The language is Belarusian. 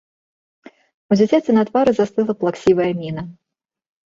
У дзіцяці на твары застыгла плаксівая міна.